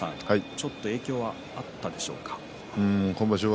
ちょっと影響があったでしょうか。